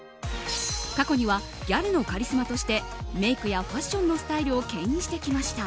過去にはギャルのカリスマとしてメイクやファッションのスタイルを牽引してきました。